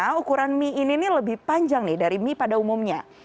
sebenarnya ukuran mie ini lebih panjang dari mie pada umumnya